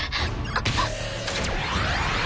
あっ！